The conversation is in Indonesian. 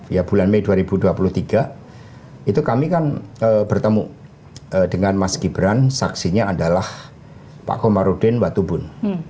ya bulan mei dua ribu dua puluh tiga itu kami kan bertemu dengan mas gibran saksinya adalah pak komarudin watubun